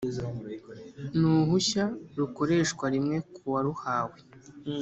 ni uhushya rukoreshwa rimwe ku waruhawe